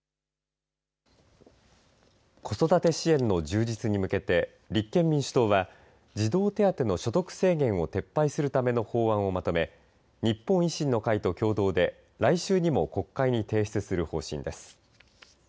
子育て支援の充実に向けて立憲民主党は児童手当の所得制限を撤廃するための法案をまとめ日本維新の会と共同で来週にも国会に提出する方針です。